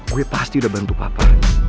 gue pasti udah bantu papa kan